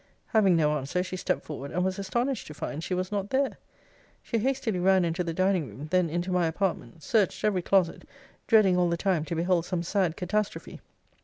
'Having no answer, she stept forward, and was astonished to find she was not there. She hastily ran into the dining room, then into my apartments; searched every closet; dreading all the time to behold some sad catastrophe.